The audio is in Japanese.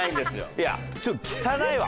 いやちょっと汚いわ。